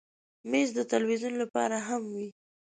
مېز د تلویزیون لپاره هم وي.